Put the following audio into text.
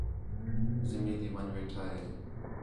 زمین تی ون٘ڄ ویٹھا ہِے